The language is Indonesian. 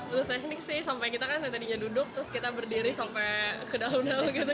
itu teknik sih sampai kita kan tadinya duduk terus kita berdiri sampai ke daun daun gitu